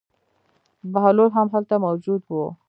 بهلول هم هلته موجود و.